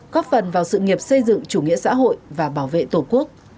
góp phần vào sự nghiệp xây dựng chủ nghĩa xã hội và bảo vệ tổ quốc